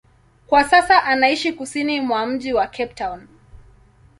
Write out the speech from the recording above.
Kwa sasa anaishi kusini mwa mji wa Cape Town.